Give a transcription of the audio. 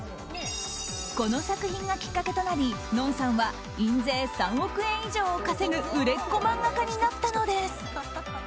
この作品がきっかけとなりＮＯＮさんは印税３億円以上を稼ぐ売れっ子漫画家になったのです。